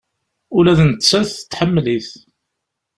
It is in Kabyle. Ula d nettat, tḥemmel-it.